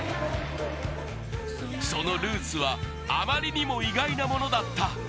そのルーツはあまりにも意外なものだった。